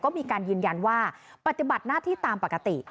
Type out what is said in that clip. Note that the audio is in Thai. ก็มีการยืนยันว่าปฏิบัติหน้าที่ตามปกติ